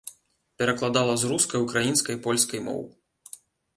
Перакладала з рускай, украінскай, польскай моў.